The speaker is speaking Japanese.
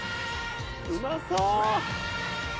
うまそう！